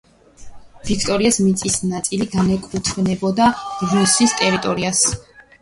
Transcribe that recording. ვიქტორიას მიწის ნაწილი განეკუთვნება როსის ტერიტორიას.